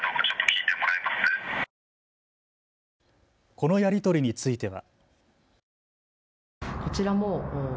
このやり取りについては。